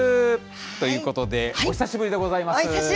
ということで、お久しぶりでございます。